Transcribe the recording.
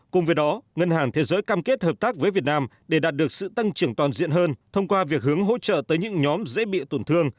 cùng với đó ngân hàng thế giới cam kết hợp tác với việt nam để đạt được sự tăng trưởng toàn diện hơn thông qua việc hướng hỗ trợ tới những nhóm dễ bị tổn thương